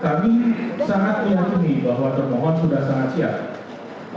kami sangat yakin bahwa termohon sudah sangat siap